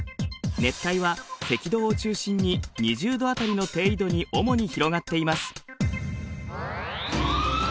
熱帯は赤道を中心に２０度辺りの低緯度に主に広がっています。